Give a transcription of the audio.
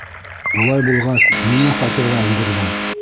Улай булғас, ниңә фатирға индерҙең?